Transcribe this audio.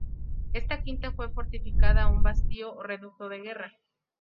Esta quinta fue fortificada a un bastión o reducto de guerra.